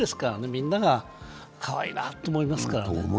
みんながかわいいなと思いますからね。